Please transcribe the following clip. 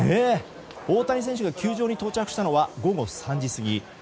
大谷選手が球場に到着したのは午後３時過ぎ。